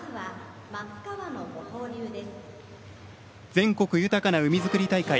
「全国豊かな海づくり大会」